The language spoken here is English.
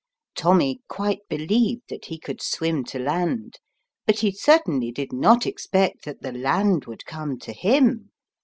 [OMMY quite believed that he could swim to land, but he certainly did not expect that the land would come to him.